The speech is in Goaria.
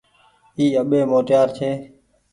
اي اٻي موٽيار ڇي۔